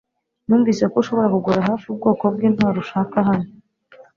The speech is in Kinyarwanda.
Numvise ko ushobora kugura hafi ubwoko bwintwaro ushaka hano